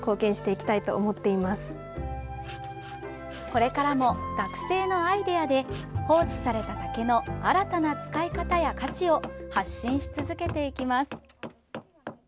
これからも学生のアイデアで放置された竹の新たな使い方や価値を発信し続けていきます。